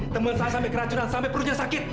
teman saya sampe keracunan sampe perutnya sakit